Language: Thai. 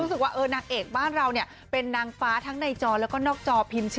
ส่วนตัวเป็นพี่แอนทองประสม